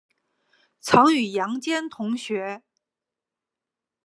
曾与杨坚同学。